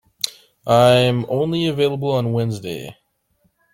I am only available on Wednesday.